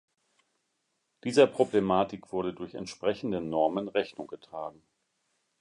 Dieser Problematik wurde durch entsprechenden Normen Rechnung getragen.